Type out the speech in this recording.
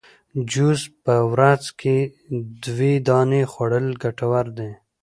جوز په ورځ کي دوې دانې خوړل ګټور دي